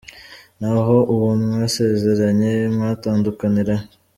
Naho uwo mwasezeranye! Eh mwatandkanira he?”.